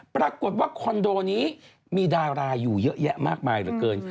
ปรากฏว่าคอนโดนี้มีดาราอยู่เยอะแยะมากมายเหลือเกิน